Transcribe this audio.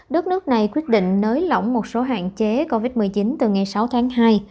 đất nước này quyết định nới lỏng một số hạn chế covid một mươi chín từ ngày sáu tháng hai